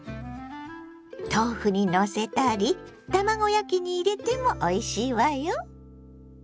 豆腐にのせたり卵焼きに入れてもおいしいわよ。